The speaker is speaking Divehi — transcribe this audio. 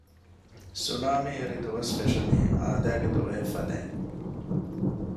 ސުނާމީ އެރި ދުވަސް ފެށުނީ އާދައިގެ ދުވަހެއް ފަދައިން